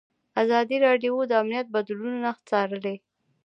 ازادي راډیو د امنیت بدلونونه څارلي.